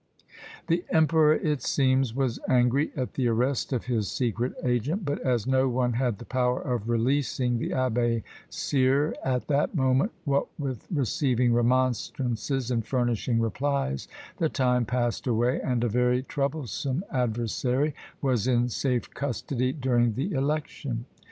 The emperor, it seems, was angry at the arrest of his secret agent; but as no one had the power of releasing the Abbé Cyre at that moment, what with receiving remonstrances and furnishing replies, the time passed away, and a very troublesome adversary was in safe custody during the election.